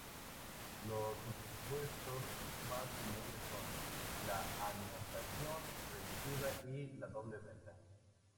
Los supuestos más comunes son: la anotación preventiva y la doble venta.